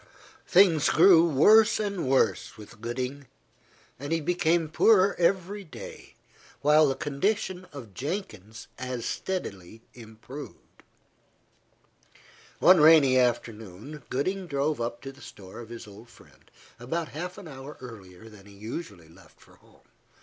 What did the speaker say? Things grew worse and worse with Gooding, and he became poorer every day, while the condition of Jenkins as steadily improved. One rainy afternoon, Gooding drove up to the store of his old friend, about half an hour earlier than he usually left for home.